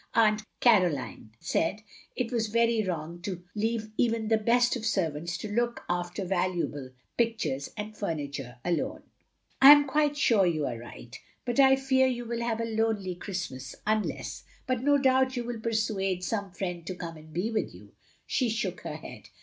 "Aunt Caroline said it was very wrong to leave even the best of servants to look after valuable . pictures and furniture alone." " I am quite sure you are right. But I fear you will have a lonely Christmas unless— but no OP GROSVENOR SQUARE 69 doubt you will persuade some friend to come and be with you." She shook her head.